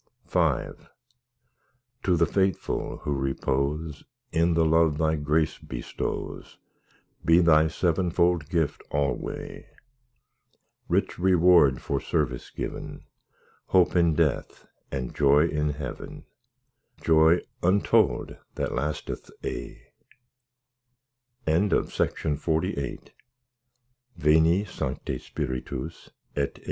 V To the faithful who repose In the love Thy grace bestows, Be Thy sevenfold gift alway— Rich reward for service given, Hope in death and joy in heaven, Joy untold that lasteth aye. O FONS AMORIS, SPIRITUS By Charles Coffin. _(_See p. 3.